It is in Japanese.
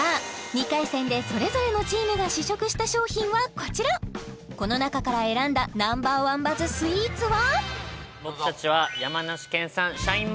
２回戦でそれぞれのチームが試食した商品はこちらこの中から選んだＮｏ．１バズスイーツは？